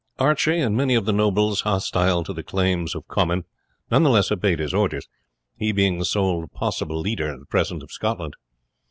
Archie and many of the nobles hostile to the claims of Comyn obeyed his orders, he being the sole possible leader, at present, of Scotland.